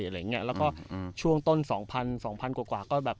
อะไรอย่างเงี้ยแล้วก็อืมช่วงต้นสองพันสองพันกว่ากว่าก็แบบ